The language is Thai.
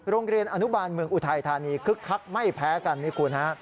โรงเรียนอนุบาลเมืองอุทัยธานีคึกคักไม่แพ้กันนี่คุณฮะ